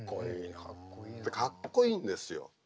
かっこいいんですよ。